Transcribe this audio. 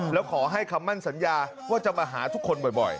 แล้วขอให้คำมั่นสัญญาว่าจะมาหาทุกคนบ่อย